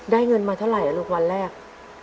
เงินมาเท่าไหร่ลูกวันแรก